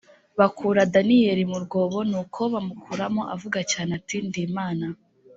bakura daniyeli mu rwobo nuko bamukuramo avuga cyane ati ndimana